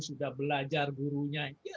sudah belajar gurunya